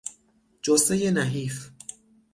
جثهی نحیف